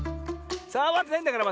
さわってないんだからまだ。